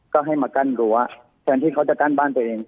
ก็ให้มากั้นรั้วเพราะฉะนั้นที่เขาจะกั้นบ้านตัวเอง